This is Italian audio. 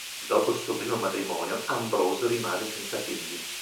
Dopo il suo primo matrimonio, Ambrose rimase senza figli.